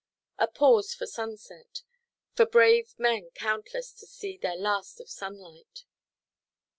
A pause for sunset; for brave men countless to see their last of sunlight.